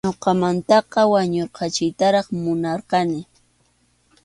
Ñuqamantaqa wañurqachiytaraq munarqani.